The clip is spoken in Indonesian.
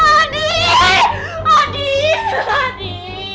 adi adi adi